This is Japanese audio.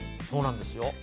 そうなんですよ。